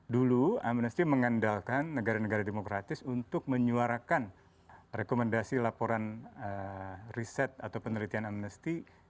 dulu amnesty mengandalkan negara negara demokratis untuk menyuarakan rekomendasi laporan riset atau penelitian amnesty